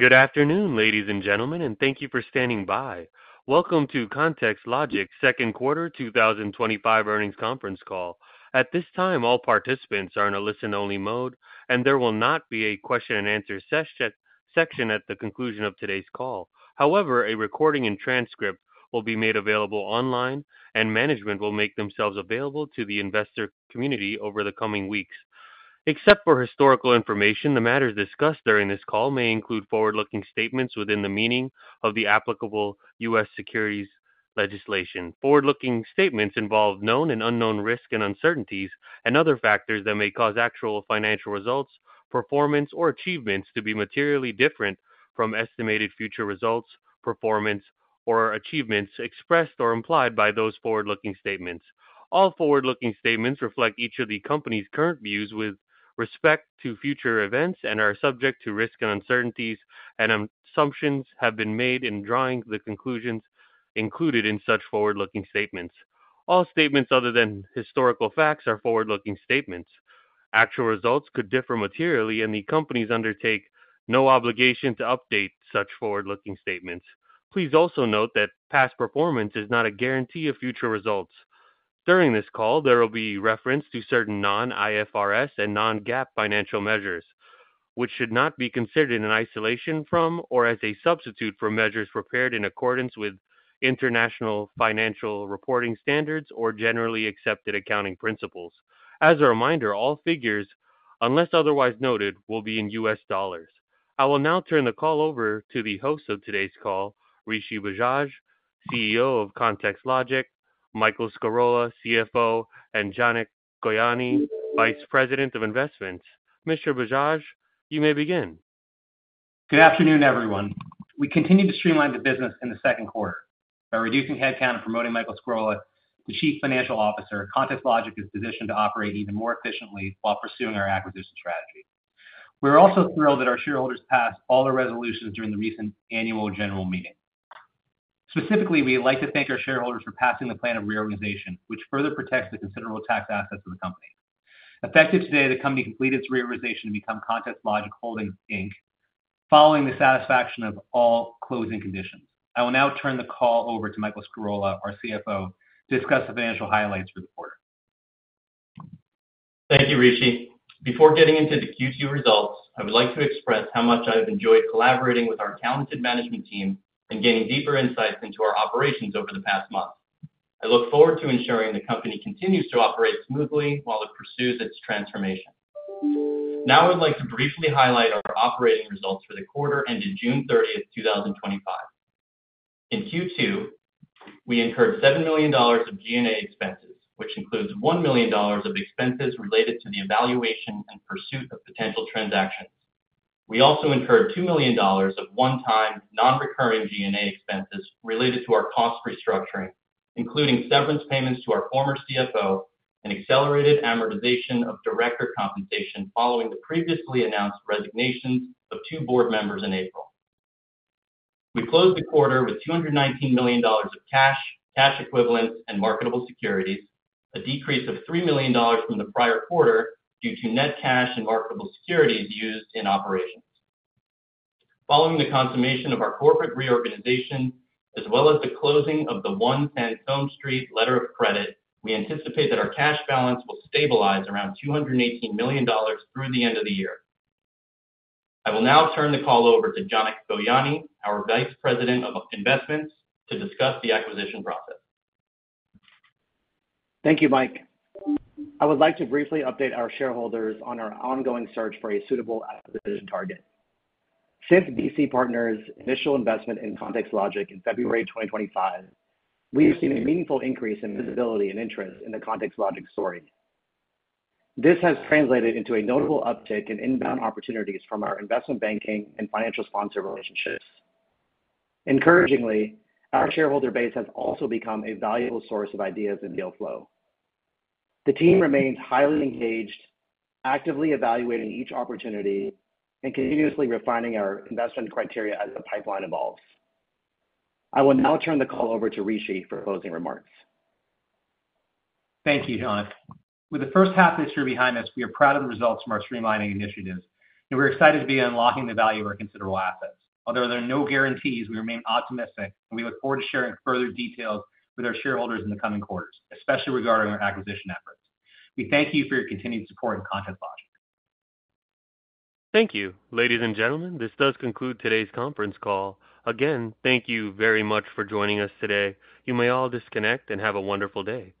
Good afternoon, ladies and gentlemen, and thank you for standing by. Welcome to ContextLogic's Second Quarter 2025 Earnings Conference Call. At this time, all participants are in a listen-only mode, and there will not be a question-and-answer session at the conclusion of today's call. However, a recording and transcript will be made available online, and management will make themselves available to the investor community over the coming weeks. Except for historical information, the matters discussed during this call may include forward-looking statements within the meaning of the applicable U.S. securities legislation. Forward-looking statements involve known and unknown risks and uncertainties and other factors that may cause actual financial results, performance, or achievements to be materially different from estimated future results, performance, or achievements expressed or implied by those forward-looking statements. All forward-looking statements reflect each of the company's current views with respect to future events and are subject to risk and uncertainties, and assumptions have been made in drawing the conclusions included in such forward-looking statements. All statements other than historical facts are forward-looking statements. Actual results could differ materially, and the company undertakes no obligation to update such forward-looking statements. Please also note that past performance is not a guarantee of future results. During this call, there will be reference to certain non-IFRS and non-GAAP financial measures, which should not be considered in isolation from or as a substitute for measures prepared in accordance with International Financial Reporting Standards or Generally Accepted Accounting Principles. As a reminder, all figures, unless otherwise noted, will be in U.S. dollars. I will now turn the call over to the host of today's call, Rishi Bajaj, CEO of ContextLogic, Michael Scarola, CFO, and Janak Goyani, Vice President of Investments. Mr. Bajaj, you may begin. Good afternoon, everyone. We continue to streamline the business in the second quarter. By reducing headcount and promoting Michael Scarola, the Chief Financial Officer, ContextLogic is positioned to operate even more efficiently while pursuing our acquisition strategy. We are also thrilled that our shareholders passed all their resolutions during the recent annual general meeting. Specifically, we would like to thank our shareholders for passing the plan of reorganization, which further protects the considerable tax assets of the company. Effective today, the company completed its reorganization to become ContextLogic Holdings, Inc., following the satisfaction of all closing conditions. I will now turn the call over to Michael Scarola, our CFO, to discuss the financial highlights for the quarter. Thank you, Rishi. Before getting into the Q2 results, I would like to express how much I have enjoyed collaborating with our accountants and management team and gaining deeper insights into our operations over the past month. I look forward to ensuring the company continues to operate smoothly while it pursues its transformation. Now, I would like to briefly highlight our operating results for the quarter ended June 30th, 2025. In Q2, we incurred $7 million of general and administrative expenses, which includes $1 million of expenses related to the evaluation and pursuit of potential transactions. We also incurred $2 million of one-time, non-recurring G&N expenses related to our cost restructuring, including severance payments to our former CFO and accelerated amortization of director compensation following the previously announced resignations of two board members in April. We closed the quarter with $219 million of cash, cash equivalents, and marketable securities, a decrease of $3 million from the prior quarter due to net cash and marketable securities used in operations. Following the consummation of our corporate reorganization, as well as the closing of the One Fenchurch Street letter of credit, we anticipate that our cash balance will stabilize around $218 million through the end of the year. I will now turn the call over to Janak Goyani, our Vice President of Investments, to discuss the acquisition process. Thank you, Mike. I would like to briefly update our shareholders on our ongoing search for a suitable acquisition target. Since BC Partners' initial investment in ContextLogic in February 2025, we have seen a meaningful increase in visibility and interest in the ContextLogic story. This has translated into a notable uptick in inbound opportunities from our investment banking and financial sponsor relationships. Encouragingly, our shareholder base has also become a valuable source of ideas and deal flow. The team remains highly engaged, actively evaluating each opportunity and continuously refining our investment criteria as the pipeline evolves. I will now turn the call over to Rishi for closing remarks. Thank you, Janak. With the first half of this year behind us, we are proud of the results from our streamlining initiatives, and we're excited to be unlocking the value of our considerable assets. Although there are no guarantees, we remain optimistic, and we look forward to sharing further details with our shareholders in the coming quarters, especially regarding our acquisition efforts. We thank you for your continued support of ContextLogic. Thank you, ladies and gentlemen. This does conclude today's conference call. Again, thank you very much for joining us today. You may all disconnect and have a wonderful day. Goodbye.